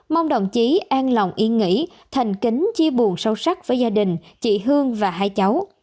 mong đồng chí an lòng yên nghỉ thành kính chia buồn sâu sắc với gia đình chị hương và hai cháu